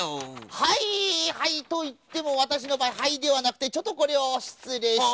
はいはいといってもわたしのばあいはいではなくてちょっとこれをしつれいして。